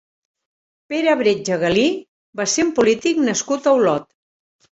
Pere Bretcha Galí va ser un polític nascut a Olot.